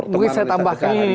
mungkin saya tambahkan